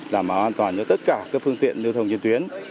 làm an toàn cho tất cả các phương tiện đưa thông trên tuyến